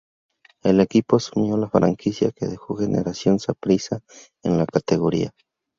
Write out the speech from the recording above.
El equipo asumió la franquicia que dejó Generación Saprissa en la categoría.